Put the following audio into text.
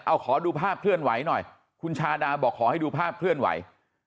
เอาขอดูภาพเคลื่อนไหวหน่อยคุณชาดาบอกขอให้ดูภาพเคลื่อนไหว